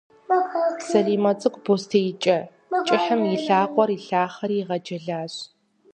Салимэ цӏыкӏу бостеикӏэ кӏыхьым и лъакъуэр илъахъэри игъэджэлащ.